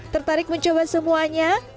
tertarik mencoba semuanya